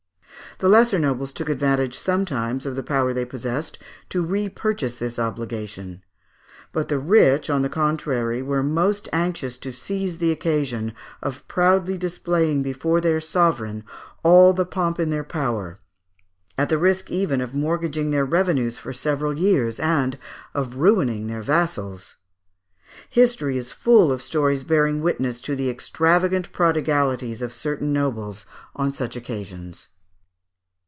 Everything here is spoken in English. The lesser nobles took advantage sometimes of the power they possessed to repurchase this obligation; but the rich, on the contrary, were most anxious to seize the occasion of proudly displaying before their sovereign all the pomp in their power, at the risk even of mortgaging their revenues for several years, and of ruining their vassals. History is full of stories bearing witness to the extravagant prodigalities of certain nobles on such occasions.